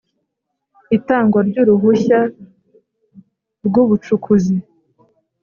Itangwa ry uruhushya rw ubucukuzi